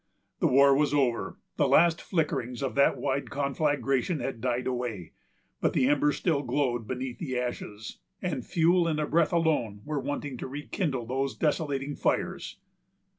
The war was over; the last flickerings of that wide conflagration had died away; but the embers still glowed beneath the ashes, and fuel and a breath alone were wanting to rekindle those desolating fires.